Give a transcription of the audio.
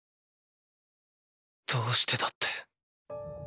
どうしてだって？